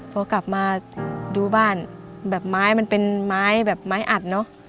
พอกลับมาดูบ้านแบบไม้มันเป็นไม้แบบไม้อัดเนอะ